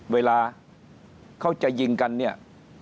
เวลาเขาจะยิงกันเนี่ย